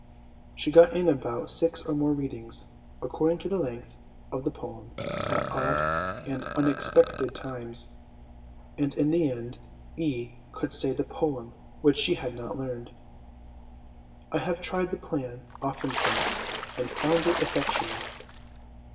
She got in about six or more readings, according to the length of the poem, at odd and unexpected times, and in the end E. could say the poem which she had not learned. I have tried the plan often since, and found it effectual.